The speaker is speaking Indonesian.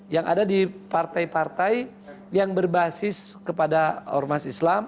yang ada di partai partai yang berbasis kepada ormas islam